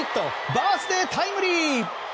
バースデータイムリー！